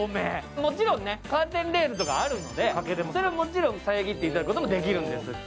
もちろんカーテンレールとかあるので、それで遮っていただくこともできるんです。